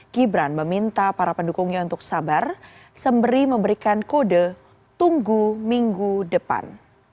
gibran meminta para pendukungnya untuk sabar sembri memberikan kode tunggu minggu depan